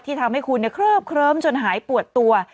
ที่ทำให้คุณเนี่ยเคลิบเคลิมจนหายปวดตัว